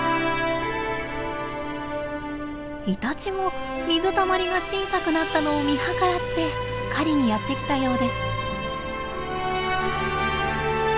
イタチも水たまりが小さくなったのを見計らって狩りにやって来たようです。